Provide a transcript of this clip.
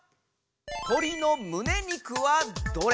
「とりのむね肉はどれ？」。